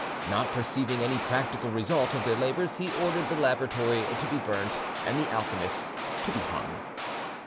Not perceiving any practical result of their labours, he ordered, the laboratory to be burnt and the alchemists to be hung.